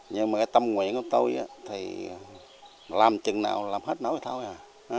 nhưng mà cái tâm nguyện của tôi thì làm chừng nào làm hết nói thôi à